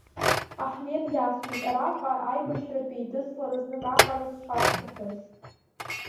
Аҳмед иасҳәеит араҟа аибашьратә еидыслара знык аҟара сшақәшәахьаз.